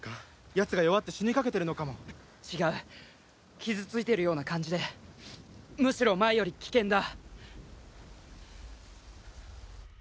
やつが弱って死にかけてるのかも違う傷ついてるような感じでむしろ前より危険だ∈